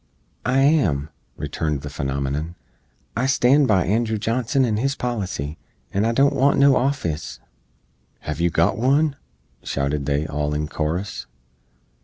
"I am," returned the phenomenon. "I stand by Andrew Johnson and his policy, and I don't want no office!" "Hev yoo got wun?" shouted they all in korus.